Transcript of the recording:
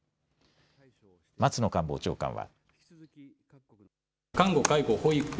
松野官房長官は。